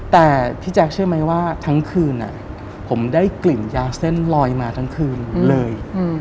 แต่พี่แจ๊คเชื่อไหมว่าทั้งคืนผมได้กลิ่นยาเส้นลอยมาทั้งคืนเลย